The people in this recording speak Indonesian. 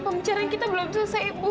pembicaraan kita belum selesai